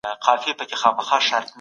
غړي يې د ملت استازيتوب کوي.